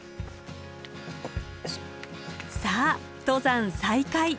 さあ登山再開。